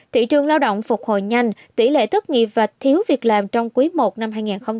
thị trường lao động phục hồi nhanh tỷ lệ thất nghiệp và thiếu việc làm trong quý i năm hai nghìn hai mươi bốn